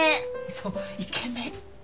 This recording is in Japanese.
そうイケメン。